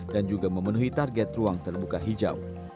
dan juga memenuhi target ruang terbuka hijau